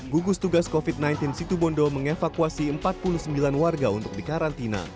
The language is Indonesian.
gugus tugas covid sembilan belas situ bondo mengevakuasi empat puluh sembilan warga untuk dikarantina